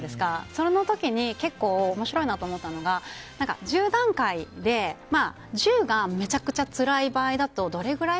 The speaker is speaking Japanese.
その時に面白いなと思ったのが１０段階で１０がめちゃくちゃつらい場合だとどれくらい？